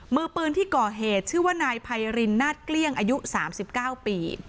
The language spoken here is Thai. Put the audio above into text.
มือปืนที่ก่อเหตุชื่อว่านายไพรินนาศเกลี้ยงอายุ๓๙ปี